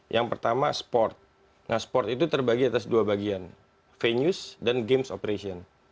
yang pertama sport nah sport itu terbagi atas dua bagian venue dan games operation